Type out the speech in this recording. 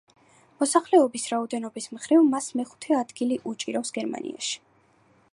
მოსახლეობის რაოდენობის მხრივ მას მეხუთე ადგილი უჭირავს გერმანიაში.